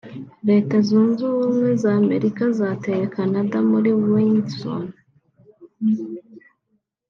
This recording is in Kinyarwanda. Leta zunze ubumwe za Amerika zateye Canada muri Windsor